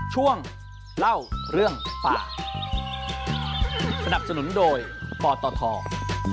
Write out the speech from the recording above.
ช่วงเล่าเรื่องป่าสนับสนุนโดยปตท